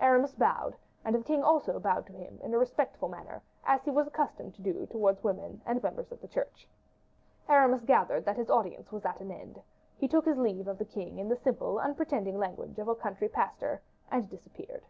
Aramis bowed, and the king also bowed to him in a respectful manner, as he was accustomed to do towards women and members of the Church. Aramis gathered that his audience was at an end; he took his leave of the king in the simple, unpretending language of a country pastor, and disappeared.